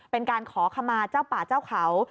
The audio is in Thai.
เป็นการขอขมาเจ้าป่าเจ้าเขา